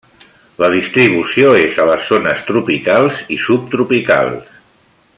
La distribució és a les zones tropicals i subtropicals.